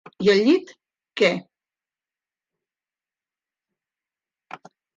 I al llit què?